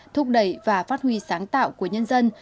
thúc đẩy và phát huy sáng tạo của nhân dân